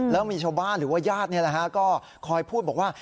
แล้วมีชาวบ้านหรือว่าญาติเนี่ยแหละฮะก็คอยพูดบอกว่า